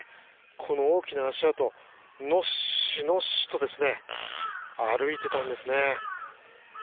この大きな足跡のっしのしと歩いていたんですね。